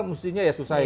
mestinya ya susah ya